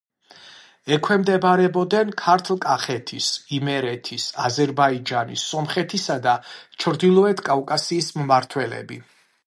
ექვემდებარებოდნენ ქართლ-კახეთის, იმერეთის, აზერბაიჯანის, სომხეთის და ჩრდილოეთ კავკასიის მმართველები.